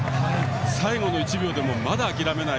最後の１秒でもまだ諦めない。